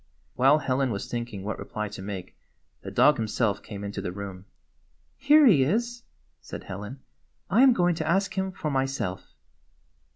While Helen was thinking what reply to make the dog himself came into the room. "Here he is," said Helen. "I am going to ask him for myself."